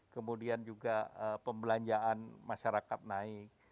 kemudian juga pembelanjaan masyarakat naik